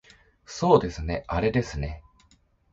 そうですねあれですね